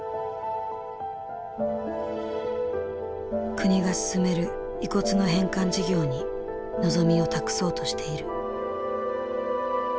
国が進める遺骨の返還事業に望みを託そうとしている。